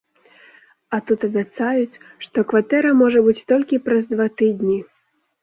А тут абяцаюць, што кватэра можа быць толькі праз два тыдні.